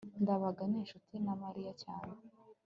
ndabaga ni inshuti na mariya cyane